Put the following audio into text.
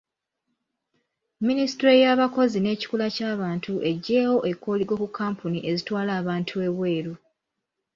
Minisitule y'abakozi n'ekikula kya bantu eggyeewo ekkoligo ku kkampuni ezitwala abantu ebweru.